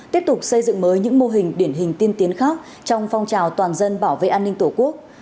tiếp tục xây dựng mới những mô hình điển hình tiên tiến khác trong phong trào toàn dân bảo vệ an ninh tổ quốc